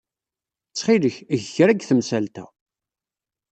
Ttxil-k, eg kra deg temsalt-a.